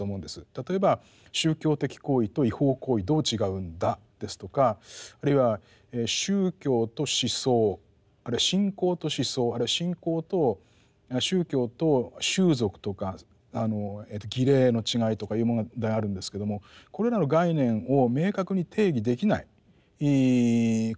例えば宗教的行為と違法行為どう違うんだですとかあるいは宗教と思想あるいは信仰と思想あるいは信仰と宗教と習俗とか儀礼の違いとかいう問題があるんですけどもこれらの概念を明確に定義できないことがあると。